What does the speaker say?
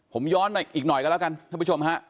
ผมย้อนไปอีกหน่อยกันแล้วกันท่านผู้ชมฮะ